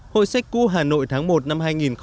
hội sách cú hà nội tháng một năm hai nghìn một mươi tám